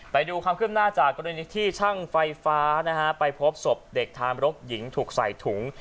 ไปดูความเคลื่อนหน้าจากกรณีที่ช่างไฟฟ้านะฮะไปพบศพเด็กทามรกหญิงถูกใส่ถุง